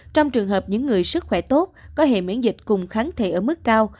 trong trường hợp những người sức khỏe tốt có hệ miễn dịch cùng kháng thể ở mức cao